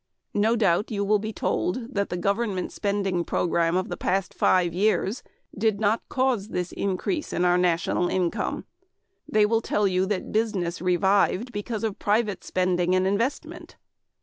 No doubt you will be told that the government spending program of the past five years did not cause the increase in our national income. They will tell you that business revived because of private spending and investment.